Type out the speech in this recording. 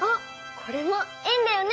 これも円だよね。